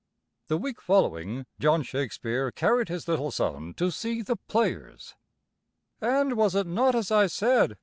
The week following, John Shakespeare carried his little son to see the players. "And was it not as I said?"